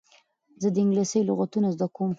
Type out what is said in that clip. زه د انګلېسي لغتونه زده کوم.